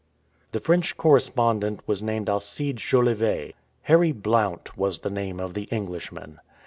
The French correspondent was named Alcide Jolivet. Harry Blount was the name of the Englishman.